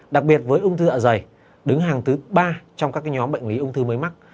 đặc biệt với ung thư dạ dày đứng hàng thứ ba trong các nhóm bệnh lý ung thư mới mắc